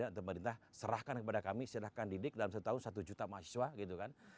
sejak itu pemerintah serahkan kepada kami silahkan didik dalam satu tahun satu juta mahasiswa gitu kan